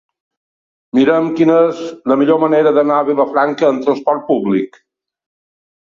Mira'm quina és la millor manera d'anar a Vilafranca amb transport públic.